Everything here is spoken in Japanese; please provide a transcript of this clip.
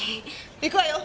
行くわよ！